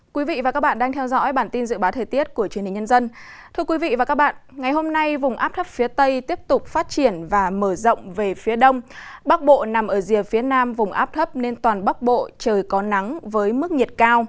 các bạn hãy đăng ký kênh để ủng hộ kênh của chúng mình nhé